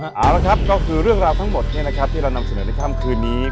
เอาละครับก็คือเรื่องราวทั้งหมดที่เรานำเสนอในค่ำคืนนี้